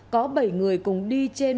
có bảy người cùng đi trên